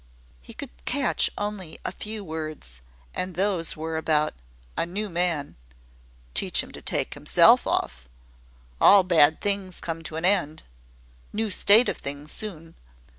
He could catch only a few words, and those were about "a new man," "teach him to take himself off," "all bad things come to an end," "new state of things, soon."